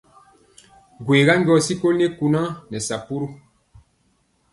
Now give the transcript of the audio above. Gwega njɔ sikoli nii kunaa nɛ sapuru!